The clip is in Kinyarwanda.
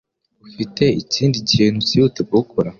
Ufite ikindi kintu cyihutirwa gukora?